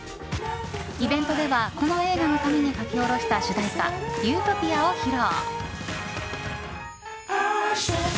イベントではこの映画のために書き下ろした主題歌「ユートピア」を披露。